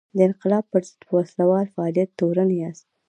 د انقلاب پر ضد په وسله وال فعالیت تورن یاست.